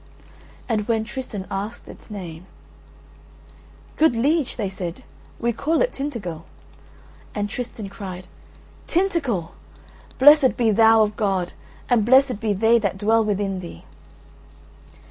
And when Tristan asked its name: "Good liege," they said, "we call it Tintagel." And Tristan cried: "Tintagel! Blessed be thou of God, and blessed be they that dwell within thee."